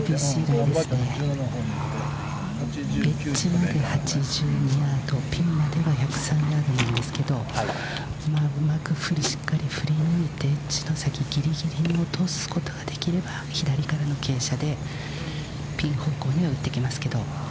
エッジまで８２ヤード、ピンまでは１０３ヤードなんですけど、うまくしっかり振り抜いて、エッジの先、ぎりぎりに落とすことができれば、左からの傾斜で、ピン方向には打っていけますけど。